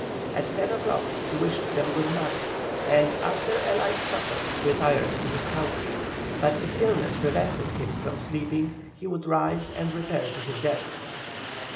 At ten o'clock he wished them good night and, after a light supper, retired to his couch. But if illness prevented him from sleeping he would rise and repair to his desk.